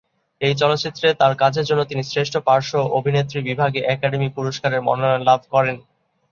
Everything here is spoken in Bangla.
এই চলচ্চিত্রে তার কাজের জন্য তিনি শ্রেষ্ঠ পার্শ্ব অভিনেত্রী বিভাগে একাডেমি পুরস্কারের মনোনয়ন লাভ করেন।